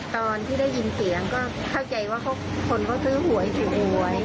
ตอนที่ได้ยินเสียงก็เข้าใจว่าคนเขาซื้อหวยถือหวย